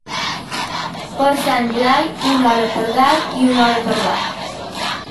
Per Sant Blai, una hora per dalt i una hora per baix.